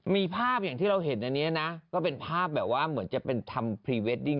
มีภาพอย่างที่เราเห็นอันนี้นะก็เป็นภาพแบบว่าเหมือนจะเป็นทำพรีเวดดิ้ง